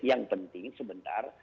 yang penting sebentar